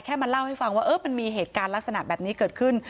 มาเล่าให้ฟังว่ามันมีเหตุการณ์ลักษณะแบบนี้เกิดขึ้น